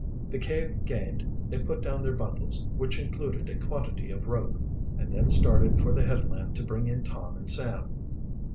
The cave gained they put down their bundles, which included a quantity of rope, and then started for the headland to bring in Tom and Sam.